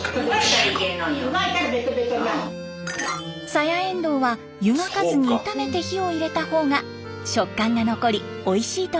サヤエンドウは湯がかずに炒めて火を入れたほうが食感が残りおいしいといいます。